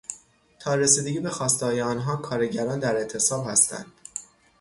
تا رسیدگی به خواستههای آنها کارگران در اعتصاب هستند.